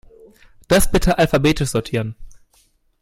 Das bitte alphabetisch sortieren.